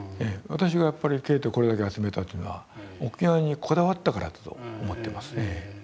私がやっぱりケーテこれだけ集めたというのは沖縄にこだわったからだと思ってます。